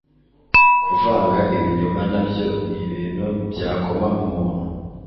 kuvanga ibinyoma nabyo ni bintu byokama umuntu